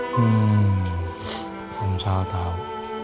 hmm salah tau